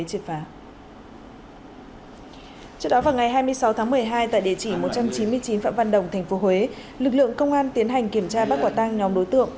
trước đó vào ngày hai mươi sáu tháng một mươi hai tại địa chỉ một trăm chín mươi chín phạm văn đồng tp huế lực lượng công an tiến hành kiểm tra bác quả tăng nhóm đối tượng